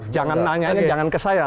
jangan nanya jangan ke saya